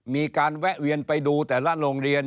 มีการแวะเวียนไปดูแต่ละโรงเรียน